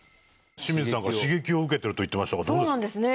清水さんから刺激を受けてると言ってましたがどうですか？